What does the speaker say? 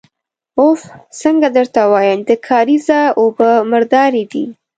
اوف! څنګه درته ووايم، د کارېزه اوبه مردارې دي.